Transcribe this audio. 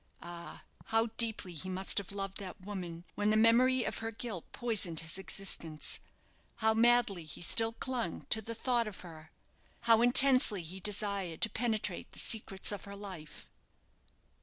Ah! how deeply he must have loved that woman, when the memory of her guilt poisoned his existence! How madly he still clung to the thought of her! how intensely he desired to penetrate the secrets of her life!